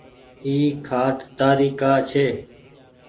اي کآٽ تآري ڪآ ڇي۔